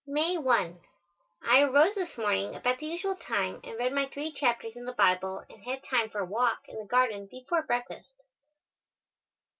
May 1. I arose this morning about the usual time and read my three chapters in the Bible and had time for a walk in the garden before breakfast.